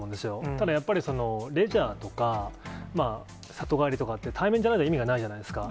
ただやっぱり、レジャーとか、里帰りとかって、対面じゃないと意味がないじゃないですか。